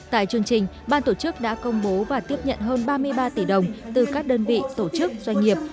tại chương trình ban tổ chức đã công bố và tiếp nhận hơn ba mươi ba tỷ đồng từ các đơn vị tổ chức doanh nghiệp